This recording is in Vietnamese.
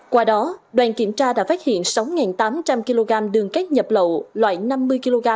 qua đó đoàn kiểm tra đã phát hiện sáu tám trăm linh kg đường cát nhập lậu loại năm mươi kg